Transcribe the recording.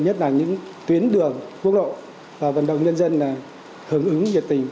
nhất là những tuyến đường quốc độ và vận động nhân dân là hứng ứng nhiệt tình